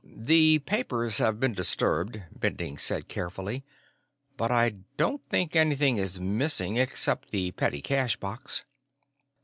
"The papers have been disturbed," Bending said carefully, "but I don't think anything is missing, except the petty cash box."